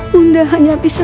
bunda hanya berharga